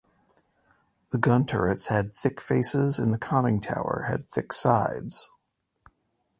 The gun turrets had thick faces and the conning tower had thick sides.